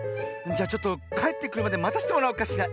じゃちょっとかえってくるまでまたせてもらおうかしら。